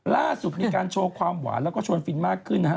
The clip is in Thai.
ล่าสุดมีการโชว์ความหวานแล้วก็ชวนฟินมากขึ้นนะฮะ